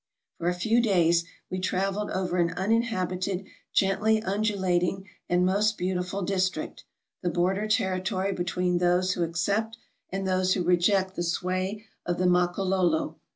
For a few days we traveled over an uninhabited, gently undulating and most beautiful district, the border territory between those who accept and those who reject the sway of the Makololo.